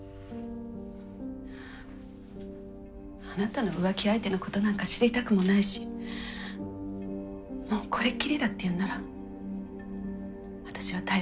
あなたの浮気相手のことなんか知りたくもないしもうこれっきりだって言うなら私は耐えられる。